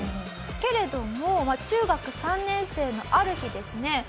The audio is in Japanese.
けれども中学３年生のある日ですね